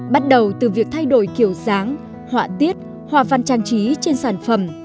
bắt đầu từ việc thay đổi kiểu dáng họa tiết hoa văn trang trí trên sản phẩm